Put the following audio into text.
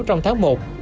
trong tháng một